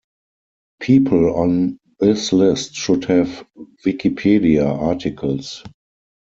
People on this list should have Wikipedia articles.